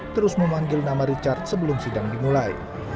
terus memanggil nama richard sebelum sidang dimulai